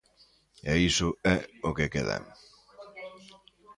E iso é o que queda.